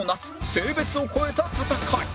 性別を超えた戦い